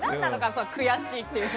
その悔しいって。